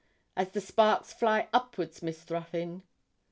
As the sparks fly upwards, Miss Ruthyn!